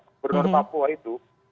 gubernur papua itu